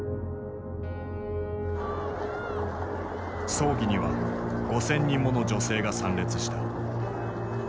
葬儀には５，０００人もの女性が参列した。